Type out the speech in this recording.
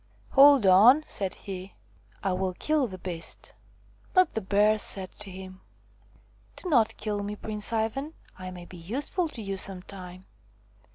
" Hold on !" said he. " I will kill the beast." But the Bear said to him: "Do not kill me, Prince Ivan ; I may be useful to you some time."